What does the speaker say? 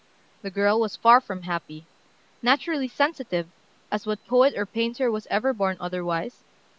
The girl was far from happy. Naturally sensitive as what poet or painter was ever born otherwise?